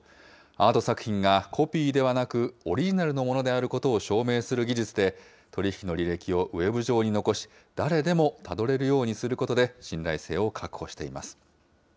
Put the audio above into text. アート作品がコピーではなく、オリジナルのものであることを証明する技術で、取り引きの履歴をウェブ上に残し、誰でもたどれるようにすることで、信頼性を確保しています。